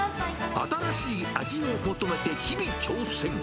新しい味を求めて日々挑戦。